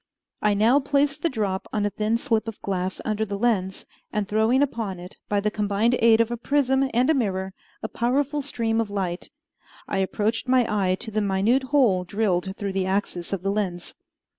I now placed the drop on a thin slip of glass under the lens, and throwing upon it, by the combined aid of a prism and a mirror, a powerful stream of light, I approached my eye to the minute hole drilled through the axis of the lens.